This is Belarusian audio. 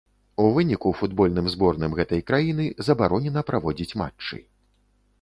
У выніку футбольным зборным гэтай краіны забаронена праводзіць матчы.